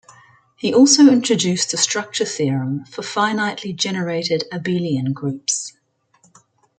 He also introduced the structure theorem for finitely-generated abelian groups.